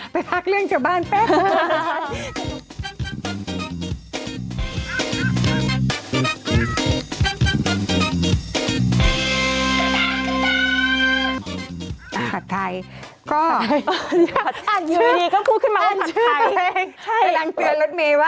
ไปพักเรื่องเจ้าบ้านแป๊บเลยค่ะ